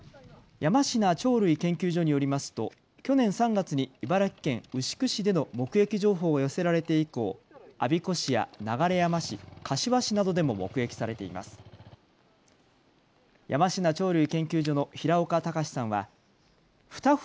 山階鳥類研究所によりますと去年３月に茨城県牛久市での目撃情報が寄せられて以降、我孫子市や流山市、柏市などでも目撃されています。